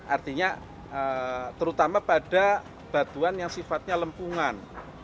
artinya terutama pada batuan yang sifatnya lempungan